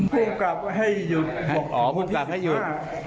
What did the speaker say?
พูดกลับว่าให้หยุดอ๋อพูดกลับให้หยุด